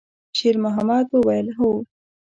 شېرمحمد وویل: «هو.»